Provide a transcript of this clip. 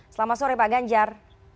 selamat sore pak ganjar